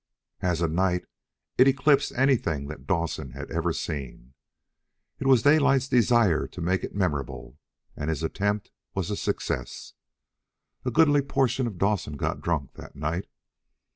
As a night, it eclipsed anything that Dawson had ever seen. It was Daylight's desire to make it memorable, and his attempt was a success. A goodly portion of Dawson got drunk that night.